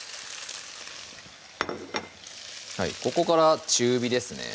ここから中火ですね